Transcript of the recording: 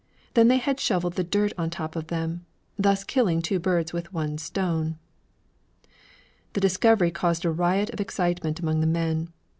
Then they had shoveled the dirt on top of them, thus killing two birds with one stone. The discovery created a riot of excitement among the men.